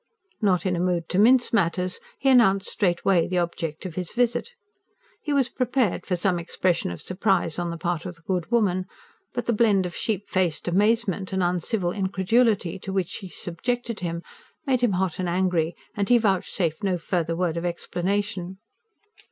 Not in a mood to mince matters, he announced straightway the object of his visit. He was prepared for some expression of surprise on the part of the good woman; but the blend of sheep faced amazement and uncivil incredulity to which she subjected him made him hot and angry; and he vouchsafed no further word of explanation.